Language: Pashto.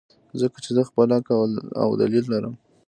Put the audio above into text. ځکه چې زۀ خپل عقل او دليل لرم -